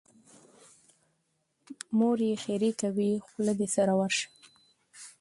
مور یې ښېرې کوي: خوله دې سره ورشه.